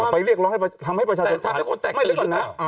ไปเรียกร้องให้ทำให้ประชาติศาสตร์ทำให้คนแตกตื่นหรือเปล่า